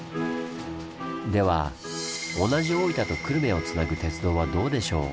では同じ大分と久留米をつなぐ鉄道はどうでしょう？